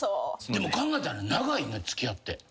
でも考えたら長いな付き合って。